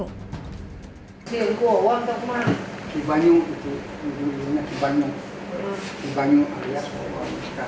dulu dulunya aki banyu aki banyu alias won cs